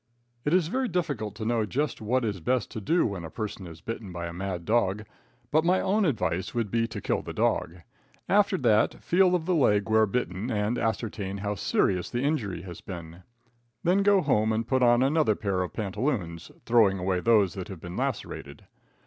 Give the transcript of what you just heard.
It is very difficult to know just what is best to do when a person is bitten by a mad dog, but my own advice would be to kill the dog. After that feel of the leg where bitten, and ascertain how serious the injury has been. Then go home and put on another pair of pantaloons, throwing away those that have been lacerated.